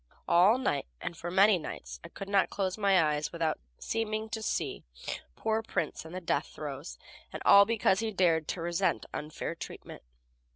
All night and, for many nights, I could not close my eyes without seeming to see poor Prince in the death throes, and all because he dared to resent unfair treatment.